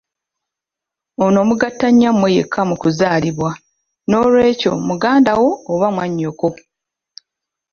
Ono mugatta nnyammwe yekka mu kuzaalibwa n'olweky'o mugandawo oba mwannyoko.